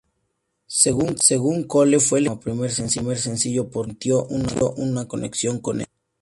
Según Cole fue elegida como primer sencillo por que sintió una conexión con esta.